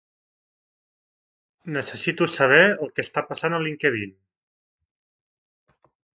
Necessito saber el que està passant a LinkedIn.